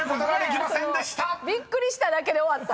びっくりしただけで終わった。